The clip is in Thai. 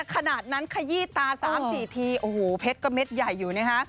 ขนาดนั้นเลย